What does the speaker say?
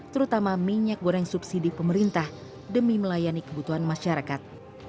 terutama minyak goreng subsidi pemerintah demi melayani kebutuhan masyarakat